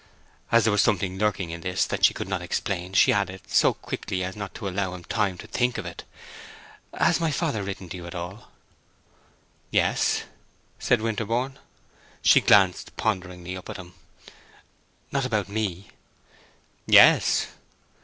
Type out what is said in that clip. As there was something lurking in this that she could not explain, she added, so quickly as not to allow him time to think of it, "Has my father written to you at all?" "Yes," said Winterborne. She glanced ponderingly up at him. "Not about me?" "Yes."